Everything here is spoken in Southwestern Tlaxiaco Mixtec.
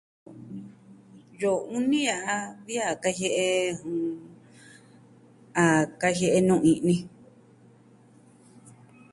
Yoo uni ya'a vi a kajie'e, a kajie'e nuvi i'ni